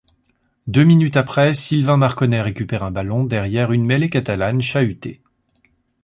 Deux minutes après, Sylvain Marconnet récupère un ballon derrière une mêlée catalane chahutée.